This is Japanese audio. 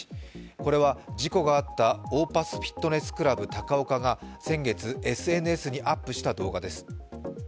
これは事故があった、オーパスフィットネスクラブ高岡が先月ＳＮＳにアップした動画です。